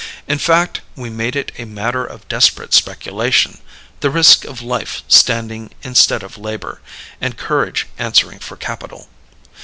In fact, we made it a matter of desperate speculation: the risk of life standing instead of labor, and courage answering for capital.